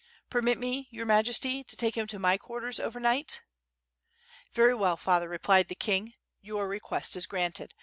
Permit me. Your Majesty, to take him to my quarters over night?" "Very well, P'ather," replied the king, "your reijuot is granted.